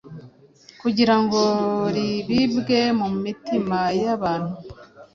kugira ngo ribibwe mu mitima y’abantu.